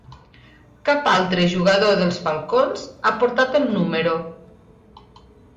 Cap altre jugador dels Falcons ha portat el número.